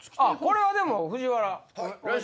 これはでも藤原。